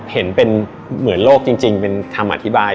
เห็นเป็นเหมือนโลกจริงเป็นคำอธิบาย